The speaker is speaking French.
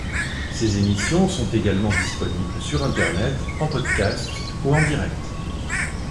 Ses émissions sont également disponibles sur internet en podcast ou en direct.